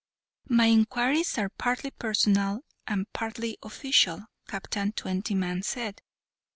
"My inquiries are partly personal and partly official," Captain Twentyman said.